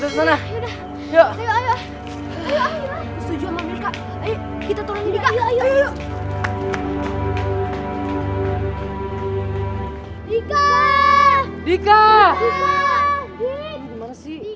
sakit matahari daya teradasi